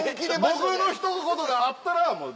僕のひと言があったらもう